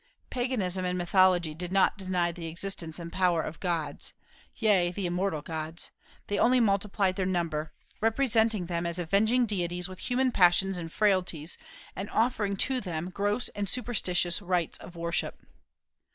Paganism and mythology did not deny the existence and power of gods, yea, the immortal gods; they only multiplied their number, representing them as avenging deities with human passions and frailties, and offering to them gross and superstitious rites of worship.